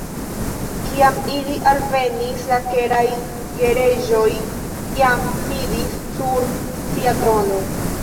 Kiam ili alvenis, la Keraj Gereĝoj jam sidis sur sia trono.